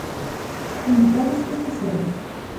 Invitados especiales